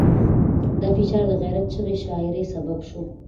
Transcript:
دا فشار د غیرت چغې شاعرۍ سبب شو.